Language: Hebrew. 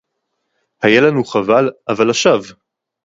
הָיָה לָנוּ חֲבָל אֲבָל לַשָּׁוְוא.